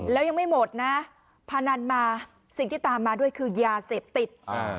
แล้วยังไม่หมดนะพนันมาสิ่งที่ตามมาด้วยคือยาเสพติด